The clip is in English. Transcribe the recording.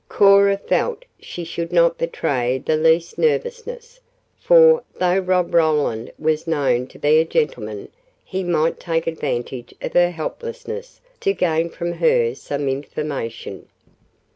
Cora felt she should not betray the least nervousness, for, though Rob Roland was known to be a gentleman, he might take advantage of her helplessness to gain from her some information.